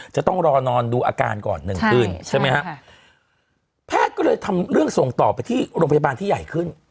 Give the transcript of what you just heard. จะต้องรอนอนดูอาการก่อนหนึ่งคืนใช่ไหมฮะแพทย์ก็เลยทำเรื่องส่งต่อไปที่โรงพยาบาลที่ใหญ่ขึ้น